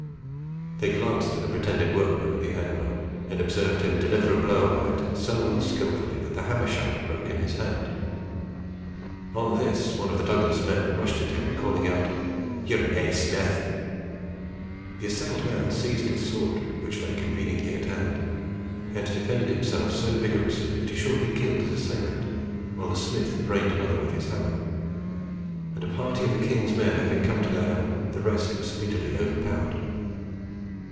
They glanced at the pretended workman at the anvil, and observed him deliver a blow upon it so unskilfully that the hammer shaft broke in his hand. On this one of the Douglas men rushed at him, calling out, "Ye're nae smyth!" The assailed man seized his sword, which lay conveniently at hand, and defended himself so vigorously that he shortly killed his assailant, while the smith brained another with his hammer; and, a party of the king's men having come to their help, the rest were speedily overpowered.